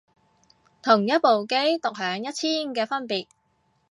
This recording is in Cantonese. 同一部機獨享一千嘅分別